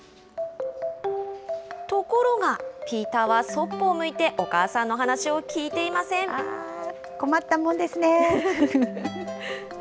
ところが、ピーターは、そっぽを向いてお母さんの話を聞いて困ったもんですね。